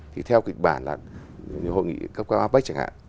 thì theo kịch bản là hội nghị cấp cao apec chẳng hạn